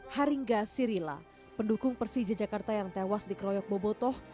haringga sirila pendukung persija jakarta yang tewas di kroyok bobotoh